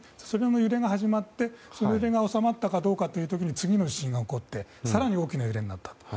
それの揺れが始まってその揺れが収まったかどうかという時に次の地震が起こって更に大きな揺れになった。